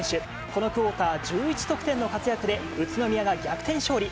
このクオーター１１得点の活躍で宇都宮が逆転勝利。